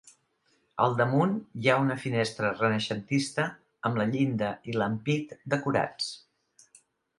Al damunt hi ha una finestra renaixentista, amb la llinda i l'ampit decorats.